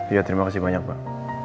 iya terima kasih banyak mbak